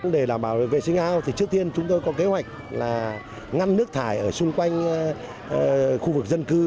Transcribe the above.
để đảm bảo vệ sinh ao thì trước tiên chúng tôi có kế hoạch là ngăn nước thải ở xung quanh khu vực dân cư